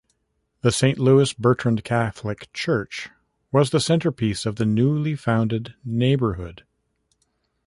The Saint Louis Bertrand Catholic Church was the centerpiece of the newly founded neighborhood.